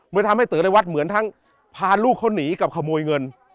เลยทำให้เต๋อในวัดเหมือนทั้งพาลูกเขาหนีกับขโมยเงิน